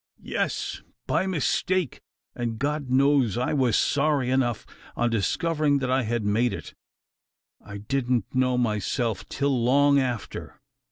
"Yes, by mistake; and God knows I was sorry enough, on discovering that I had made it. I didn't know myself till long after."